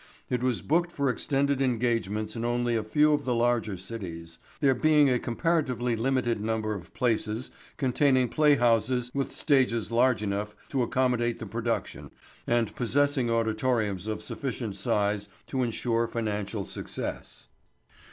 It was booked for extended engagements in only a few of the larger cities, there being a comparatively limited number of places containing playhouses with stages large enough to accommodate the production and possessing auditoriums of sufficient size to insure financial success.